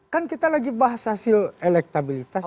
kan kita lagi bahas hasil elektabilitas